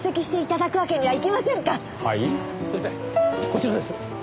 こちらです。